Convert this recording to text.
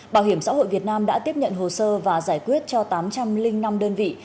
bảo hiểm xã hội việt nam đã tiếp nhận hồ sơ và giải quyết cho tám trăm linh năm đơn vị